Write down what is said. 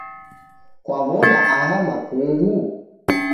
Kwaw'ona aha makungu?